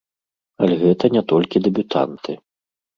Але гэта не толькі дэбютанты.